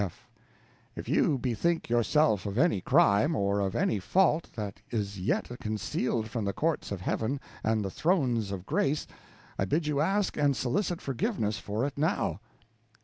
F. If you bethink yourself of any crime, or of any fault, that is yet concealed from the courts of Heaven and the thrones of grace, I bid you ask and solicit forgiveness for it now.